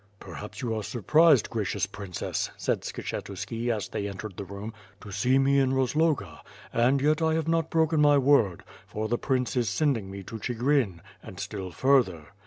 "Perhaps you are surprised. Gracious Princess, said Skshetuski, as they entered the room, "to see me in Rozloga; and yet T have not broken my word, for the prince is sending me to Chigrin, and still further.